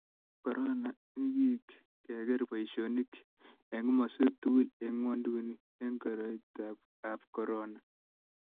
korona ni kiyi kedker boisionik eng komaswek tugul eng ngwanduni eng koroitab ab korona